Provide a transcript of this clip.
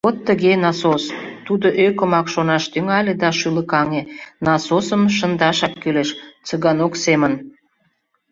«Вот тыге, насос, — тудо ӧкымак шонаш тӱҥале да шӱлыкаҥе, — насосым шындашак кӱлеш, Цыганок семын.